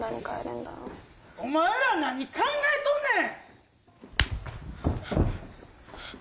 お前ら何考えとんねん！